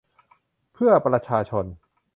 เพื่อประชาชน